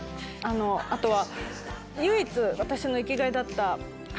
あとは。